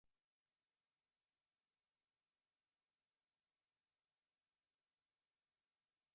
Esta donación fue la cifra más alta recibida en la historia de la Universidad.